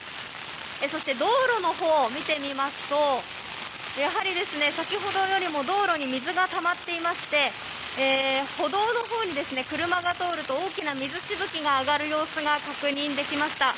そして道路のほうを見てみますとやはり先ほどよりも道路に水がたまっていまして歩道のほうに車が通ると大きな水しぶきが上がる様子が確認できました。